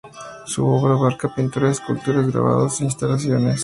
Su obra abarca pinturas, esculturas, grabados e instalaciones.